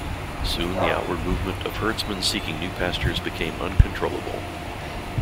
Soon the outward movement of herdsmen seeking new pastures became uncontrollable.